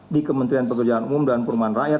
di kementerian pekerjaan umum dan perumahan rakyat